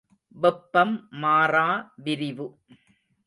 வெப்பம் மாறா விரிவு.